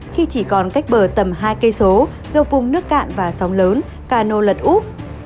khi chỉ còn cách bờ tầm hai km gặp vùng nước cạn và sóng lớn cano lật úc